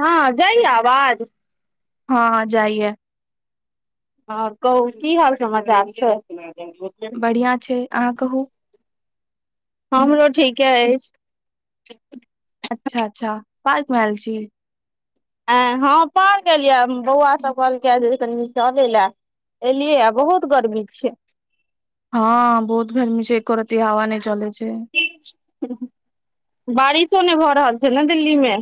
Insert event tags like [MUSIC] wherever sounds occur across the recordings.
हां जाय या अवाज। हां-हां जायया। हां कहु की हाल समाचार छै। बढ़ियाँ छै, अहाँ कहु। हमरो ठीके एछ। अच्छा-अच्छा पार्क मे आएल छी। अएं हां पार्क एलियै बौअवा सब कहलकै जे कनि टहलै लए। एलियै या बहुत गर्मी छै। हां बहुत गर्मी छै, एको रति हवा नै चलै छै। उम्म बारिशो नै भऽ रहल छै ने दिल्ली मे।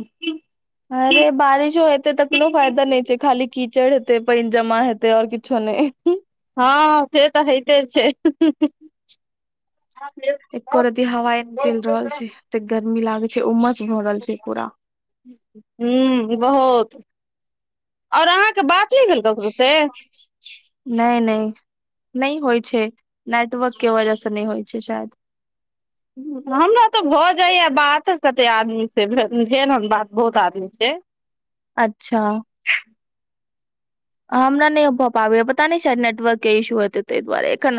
अरे बारिशो हेतै त कुनू फायदा नै छै, खाली कीचड़ हेतै, पेएन जमा हेतै और किछो नै। हां से तऽ हैते छै। एको रति हवाए नै चैल रहल छै तऽ गर्मी लागे छै, उमस भऽ रहल छै पूरा। हुं बहोत और अहाँ के बात नै भेल ककरो से। नै-नै, नै होय छै, नेटवर्क के वजह से नै होय छै शायद। हुं हमरा तऽ भऽ जायया बात, कते आदमी से भेल उम्म भेलहन बात बहुत आदमी से। [INAUDIBLE] अच्छा। हमरा नै भऽ पाबैया, पता नै शायद नेटवर्क के इश्यू हेतै तै दुआरे एखन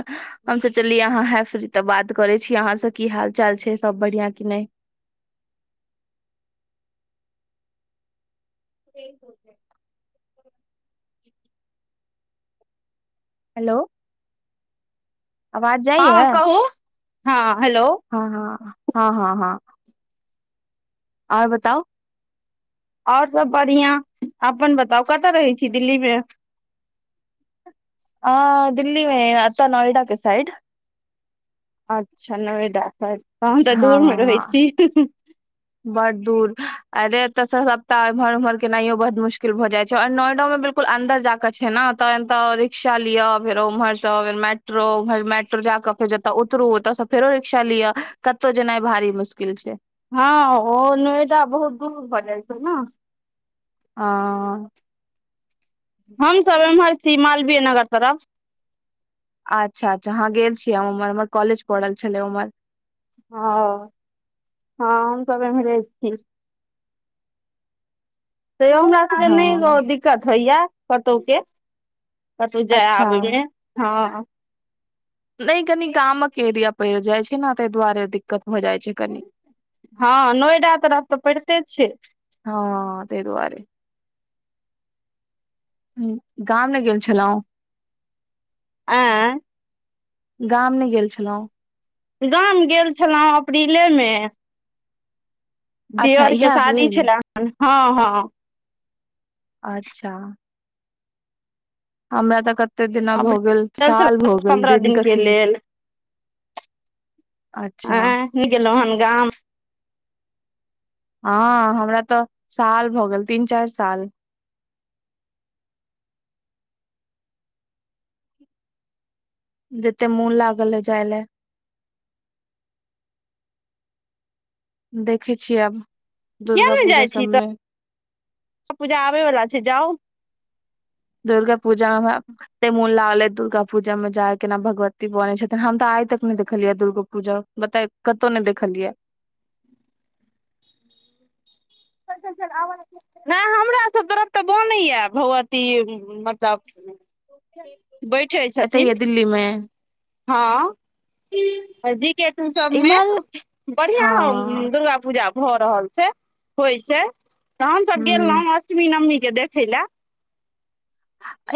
हम सोचलिये अहाँ हाएब फ्री तऽ बात करै छी अहाँ से की हाल-चाल छै सब बढ़ियाँ की नै। होतै [INAUDIBLE] हेलो आवाज हँ जाइया कहू हँ हेलो। हँ हँ हँ हँ हँ। और बताउ? और सब बढ़ियां अपन बताउ कतऽ रहै छी दिल्ली मे? अ दिल्ली मे अतऽ नोएडा के साइड। अच्छा नोएडा साइड तहन तऽ दूर मे रहय छी। बड्ड दूर अरे एत्तऽ स सबटा एमहर उमहर केनाइयो बड्ड मुशकिल भऽ जाइ छै और नोएडो मे बिल कुल अन्दर जा कऽ छै नऽ तहैन तऽ रिक्शा लियऽ फेर ओमहर सँ आउ फेर मेट्रो उमहर मेट्रो जा क जतऽ उतरू ओतऽ सँ फेरो रिक्शा लियऽ कत्तौ जेनाइ भारी मुश्किल छै। हँ ओ नोएडा बहुत दूर भऽ जाइ छै नऽ। हॅं। हमसब एमहर छी मालवीय नगर तरफ। आच्छा अच्छा हॅं गेल छियै उमर हमर कॉलेज पड़ल छलै उमहर। हँ हँ हम सब एम्हरे छी। तैयो हमरा सबके नै ओ हँ दिक्कत होइये कतौ के। कतौ जाय अच्छा आबय मे हँ। नै कनी गामक एरिया पड़ि जाइ छै न तै दुवारे दिक्कत भऽ जाइ छै कनि। हँ नोएडा तरफ त पड़िते छै। हँऽ तै दुवारे। हू गाम नै गेल छलउं? ऐं गाम नै गेल छलौं? गाम गेल छलौं अप्रीले मे। अच्छा दीयर के इएह शादी अप्रिल छले हन हँ हँ। अच्छा। हमरा त कत्ते दिना भऽ गेल दस साल भऽ गेल पन्द्रह दिन के कथी। लेल अच्छा। नै गेलौं हन गाम? हँ हमरा तऽ साल भऽ गेल तीन चारि साल। जते मुन लागल अइ जाइ ले। देखै छियै आब। किए दुर्गा ने पूजा जाइ छी तऽ सबमे दुर्गा पूजा आबैबला छै जाउ। दुर्गा पूजा उहेए एत्ते मोन लागल अइ दुर्गा पूजा मे जाइ केना भगवती बनै छथिन हम तऽ आइ तक नै देखलियै दुर्गो पूजा बतायौ कतौ ने देखलियैए। ओतऽ से जहैन आबऽ लगथिन नै हमरा सब तरफ तऽ बनैये भगवती मतलब बैठै एते ये छथिन। दिल्ली मे? हँ ही के [INAUDIBLE] सबमे इम्हर बढ़ियां हम हँ दुर्गा पूजा भऽ रहल छै होइ छै त हमसब गेल ह रहौं अष्टमी नम्मी के देखै लेए।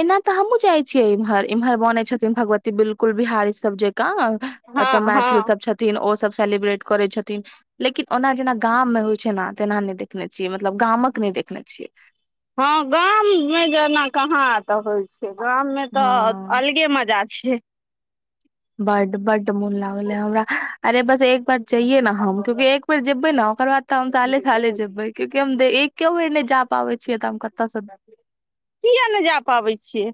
एना त हमहुँ जाइ छियै इमहर इमहर बनै छथिन भगवती बिलकुल बिहारी सब जे कां तऽ हँ मैथिल सब हँ छथ थिन ओ सब सेलिब्रेट करय छथिन लेकिन ओना जेना गाम में होइ छै न तेना नइ देख खने छियै मतलब गामक नइ देखने छियै हँ गाममें जेना कहाँ अतऽ होइ छै गाम में तऽ हँ अलगे मजा छय बड बड्ड मोन लागले हमरा अरे बस एक बार चइये ने हम क्यूंकि एक बेेर जेबै न ओकर बाद तऽ हम साले किया साल जेबै क्यूंकि हम देक क्यउये नै जा पाबै छियै तऽ हम कतऽसँ किए नइ जा पाबै छियै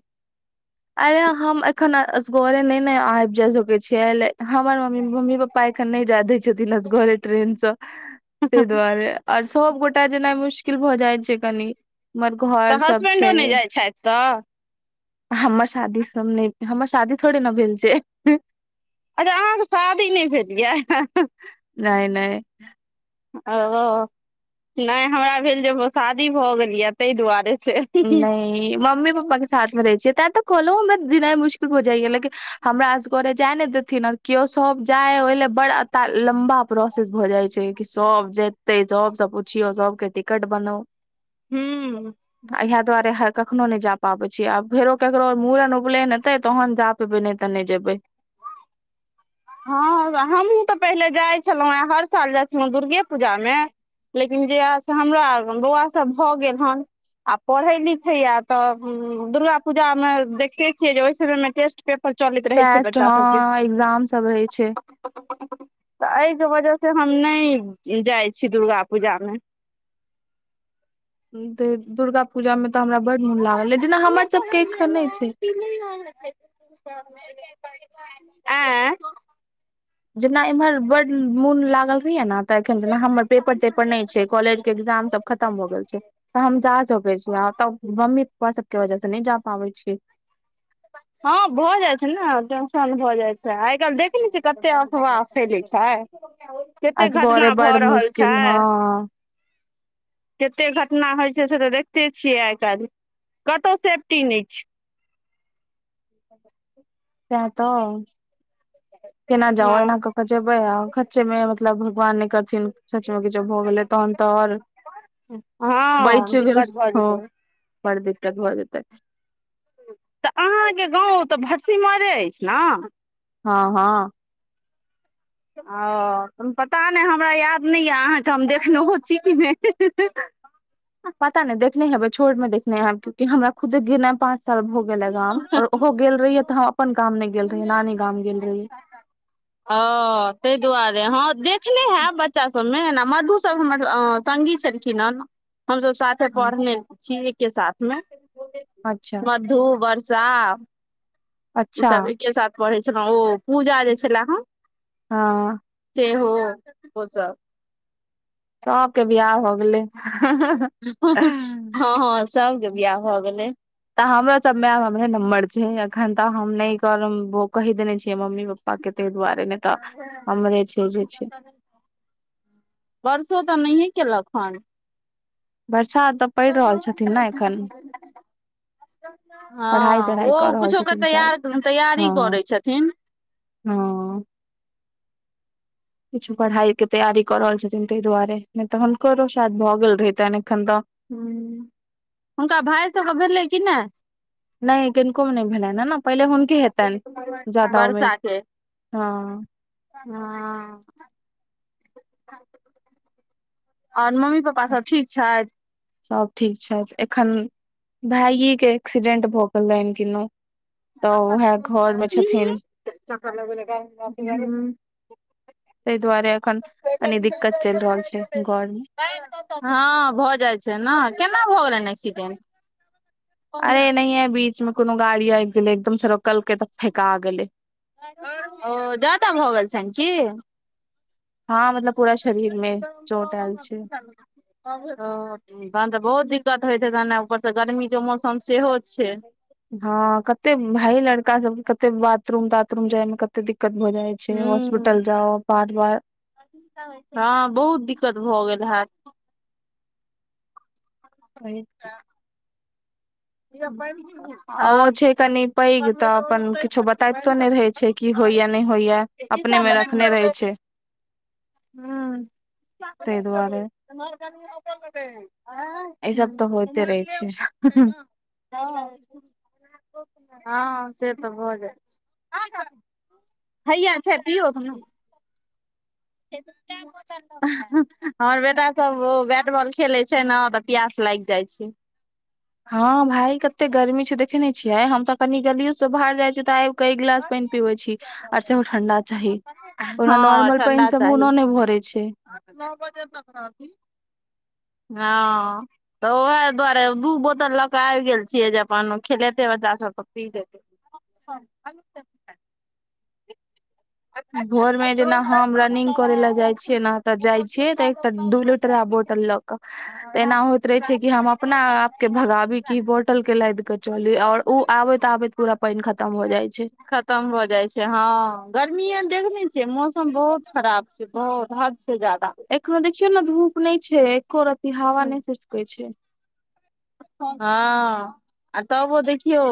अरे हम एखन असगोरे नइ ने आइब जा सकै छीयै ले हमर मम्मी मम्मी प पा एखन नइ जा दय छथिन अखन असगरे ट्रेन स तइ दुआरे आर सबगोटा जेनाइ मुश्किल भऽ जाइ छइ कनी हमर घर सब छै छय तऽ हमर शादी सब नइ हमर शादी थोड़े न भेल छै अरे अहाँके शादी नइ भेल यै नय नय ओ नय हमरा भेल जे शादी भऽ गेल यए तइ दुआरे से नइ मम्मी पप्पा के साथ मे रहै छियै तें तऽ कहलहु हमरा जिनाइ मुश्किल भ जाइया लेकिन हमरा असगरे जाय ने देथिन कियो सब जाय ओहि लए बड़ ता लम्बा प्रोसेस भऽ जाइ छै कि सभ जेत तइ सबस पुछियौ सबके टिकट बनो हम्म इएहा दुआरे ह कखनो नइ जा पाबै छी आब फेरो ककरो मूड़न उपलेन हेतइ तहन जा बइ नइ तऽ नइ जेबै हँ हमहूँ तऽ पहिले जाइ छलहुँं हे हर साल जाइ छलहुँ हें दुर्गे पूजा मे लेक जयआ स हमरा बौआ सब भ गेल हन आ पढ़ै लिखय यै तऽ दुर्गा पूजा मे देखते छियै जे ओइ समयमे टेस्ट पेपर चलैत रहै छै टेस्ट बच्चा सबके हँ एग्जाम सब रहय छै तऽ अइके वजहसँ हम नय जाइ छी दुर्गा पूजामे दुर्गा पूजा मे तऽ हमरा बड मोन लागल अय जेना हमर सबके एखन छै [UNINTELLIGIBLE] ऐं जेना एम्हर बड्ड मुन लागल रहैया न त एखन जेना हमर पेपर तेपर नइ छै कॉलेज के एग्जाम सब खतम भ गेल छै तऽ हम जा सके छी तब मम्मी पापा सब के वजह से नइ जा पाबय छी हँ भऽ जाइ छइन ने टेंशन भऽ जाइ छै सेहे आइ काइल देखइ नइ छै कते अफवाह फैले छै केते घटना भऽ रहल छै केन हँ कते घटना होइ छै से तऽ देखते छियै आइ काल्हि कतहु सेफ्टी नइ छै तैं त केना जाउ हँ एना क क जेबै आ खच्चे मे मतलब भगवान नय कर थिन सचमे किछो जो भ गेलै तहन तऽ आओर बैच हँ गेलो दिक्कत भऽ हँ जेतै बड दिक्कत भ जेतय। तऽ अहाँके गाँव तऽ भटसिमइरे अछि ना। हँ हँ। ह ओ पता नहि हमरा याद नहि या अहाँके हम देखलहु छी की नय। पता नहि देखने हेबेई छोट में देखने हैब क्यकि हमरा खुद गेला पांच साल भ गेल आ गाम और ओहो गेल रहियै तऽ हम अपन गाम नहि गेल रहियै नानी गाम गेल रहिय। ओ तय दुआरे हँ देखने हैब बच च्चा सबमे मधु सब हमर संगी छलखिन हे हमसब साथे हँ पढ़ने छि एक के साथ मे। अच्छा। मधू, वर्षा। ई अच्छा सभ एकके साथ पढ़ै छलहुँ ओ पूजा जे छले हन। हँ। सेहो ओ सब। सबके बियाह भ गेलैय। हँ हँ सबके बियाह भऽ गेलैय। तऽ हमरो सब मे आब हमरे नम्बर छै अखन तऽ हम नहि करब वो कैह देने छियै मम्मी पप्पा के तय दुआरे। तय मे तऽ हमर छै जे छै। वर्सो तऽ नहिये केलक हन। बर्षा त [INAUDIBLE] पढ़ाई हँ तढ़ाई कऽ ओ रहल कुछो के छथिन शायद तैयर तैयारी करै छथिन। हँओ। किछो पढ़ाइ के तैयारी क रहल छथिन तय दुआरे नहि तऽ हुनकरो शायद भऽ गेल रहितैन एखन तऽ। हुं हुनका भाय सब भेलै कि नहि। नहि किनको मे नहि भेलनि है ने पहिले हुनके हेतनि जादा उम्मीद हँ। ह और मम्मी पा प्पा सब ठीक छथि। सब ठीक छथि एखन भायजी के एक्सीडेंट भऽ गेल रहनि किनौ तऽ ओहा घर मे छथिन। [UNINTELLIGIBLE] तय दुआरे एखन कनी दिक्कत चलि रहल छै घर मे हँ भऽ जाइ छै ना केना भऽ गेलनि एक्सीडेंट। अरे नहिय बीच मे कोनो गाड़ी आबि गेलै एकदम स रोकलकई तऽ फेका गेलेय। ओ जादा भऽ गेल छनि की? हँ मतलब पूरा शरीर में चोट आयल छै। ओ तहन तऽ बहुत दिक्कत होइत हेतैन ऊपर से गर्मी के मौसम सेहो छै। हँ कते भाई लड़का सबके कते बाथरूम ताथरूम जाय मे कते दिक्कत भऽ जाय छै हूँ हॉस्पिटल जाउ बार बार। हँ बहुत दिक्कत भऽ गेल हैत। वही [UNINTELLIGIBLE] [UNINTELLIGIBLE] [UNINTELLIGIBLE] आ ओ हुं छै कनि पैघ तऽ अपन किछो बताबितो नहि रहै छै की होइया नहि होइया अपने मे रखने रहै छै ताहि हुं दुआरे [UNINTELLIGIBLE] उम्हर कनि ओतौ जेबै एँ? अय सब तऽ होइते रहै छै। हँ [UNINTELLIGIBLE] हँ से तऽ भऽ जाइ छै [UNINTELLIGIBLE] हैया छैन। की हो दुन्नु [UNINTELLIGIBLE] [UNINTELLIGIBLE] हमर बेटा सब ओ बैट-बॉल खेलै छै न तऽ प्यास लाइग जाइ छै। हँ भाय कत्ते गर्मी छै देखै नै छियै हम तऽ कनि गलियो स बाहर जाइ छियै तऽ आइब कऽ एक ग्लास पइन पीबै छी और सेहो ठण्डा चाही। ओना नॉर्मल पइन स मुनो नैय भरै छै। हँ तऽ न बजे तक रहथिन। हँ। तऽ ओहै दुआरे दू बोतल लऽ कऽ आइब गेल छियै जे अपन खेलेतै बच्चा सब तऽ पी लेतै। [UNINTELLIGIBLE] भोर में जेना हम रनिंग करै लए जाइ छियै न तऽ जाइ छियै तऽ एकटा दू लो ट्रा बोटल लऽ कऽ तऽ एना होइत रहै छै की हम अपना आ के भगाबी की बोटल के लाइद कऽ चली और उ आबैत-आबैत पूरा पइन खतम हो जाइ छै। खतम भऽ जाइ छै हँ गर्मीए देखने छियै मौसम बहुत खराब छै बहुत हद से ज्यादा। एखनो देखियौ न धूप नैय छै एक्को रति हावा हूं नैय सिस्कै छै। हँ आ तऽबो देखियौ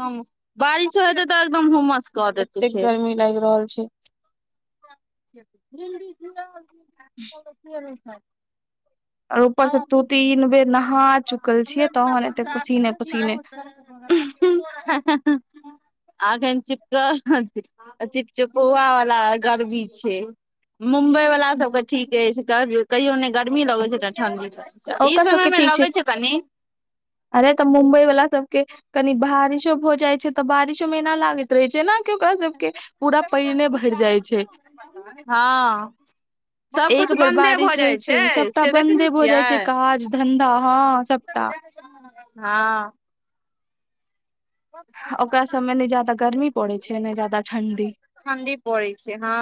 नम बारिशो हेतै तऽ एकदम हुमस कऽ देतै फेर। नै लाइग रहल छै। [UNINTELLIGIBLE] [INAUDIBLE] सुतले रहै छैथ। और ऊपर स दू-तीन बेर नहा हा चुकल हमरा छियै दिना तहन एते पसीने-पसीने उम्ह सो रहऽ [UNINTELLIGIBLE] आ अखैन चिपकल चिपचुपौआ वला गर्मी छै मुम्बई वला सबकऽ ठीक अइछ कह-कहियो नैय गर्मी लगै छै न ठण्डी [UNINTELLIGIBLE] ई ओकर सबके समयमे ठीक लगै छै कनि। अरे तऽ मुम्बई वला सबके कनि भारिशो भऽ जाइ छै तऽ बारिशोमे एना लागैत रहै छै न के ओकरा सबके पूरा पइने भइर जाइ छै। हँ सबकुछ एक बेर बन्दे भऽ बारिश जाइ होइ छै सबटा से देखै नहि बन्दे भऽ जाइ छै छियै काज-धंधा हँ सबटा। हँ। ओकरा सबमे नैय ज्यादा गर्मी पड़ै छै नैय ज्यादा ठंडी। ठण्डी पड़ै छै हँ।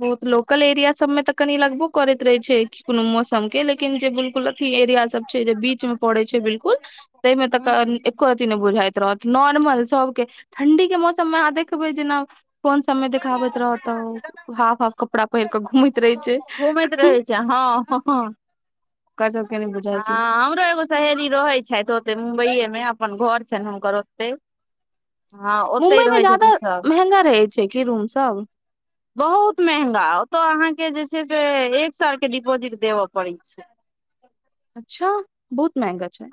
बहुत लोकल एरिया सबमें तऽ कनि लगबो करैत रहै छै की कुनो मौसम के लेकिन जे बिल्कुल अथी एरिया सब छै जे बीच में पड़ै छै बिल्कुल तय में तऽ क अन हूं एक्को र त्ती नैय बुझाइत रहत नॉर्मल सबके ठण्डी के मौसममे अहाँ देखबै जेना फोन सबमे देखाबैत रहत तऽ हाफ-हाफ कपड़ा पहिर कऽ घूमैत रहै छै। चै हँ हँ हँ क सबके नय हँ हमरो एगो सहेली रहै छथि ओतय मुम्बइए मे अपन घर छइन हुनकर ओत्ते मुम्बई मे जादा सब महंगा रहै छै कि रूम सब बहुत महंगा ओतऽ अहाँके जे छै से एक साल के डिपोजिट देबऽ पड़ै छै अच्छा बहुत महंगा छय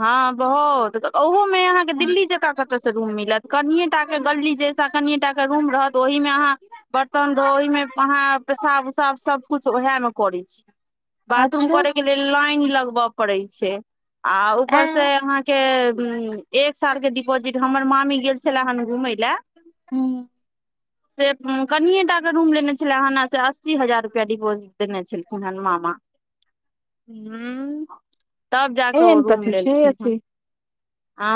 हँ बहुत ओहोमे अहाँके दिल्ली जकाँ क रूम मिलत कनिय टा के गली जैसा कनियटा के रूम रहत ओहिमे अहाँ बर्तन धो ओहिमे अहाँ पेशाब उसाब सबकुछ उएहमे करै छी बाथरूम अच्छा करे के लेल लाइन लगब पड़ै छै। आ ऊपर से अहाँके एक साल के डिपोजिट हमर मामी गेल छले हन घुमै लए हम्म से कनिये टा के रूम लेने छले हन से अस्सी हजार रुपया डिपोजिट देने छलखिन हन मामा हूँ तब जाके ओ रूम लेलखिन हन आ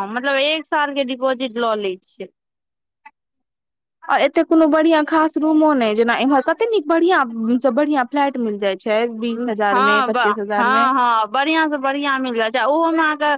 हँ मतलब एक सालके डिपोजिट लऽ लै छय आ एते कोनो बढ़ियां खास रूमो नय जेना इम्हर कते नीक बढ़िया सब बढ़िया फ्लैट मिल जाय छै बीस हजार में पच्चीस हजार में बढ़ियां से बढ़ियां मिल जा छै ओहो में आहाके